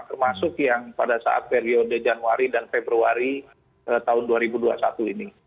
termasuk yang pada saat periode januari dan februari tahun dua ribu dua puluh satu ini